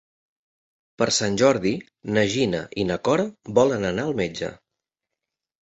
Per Sant Jordi na Gina i na Cora volen anar al metge.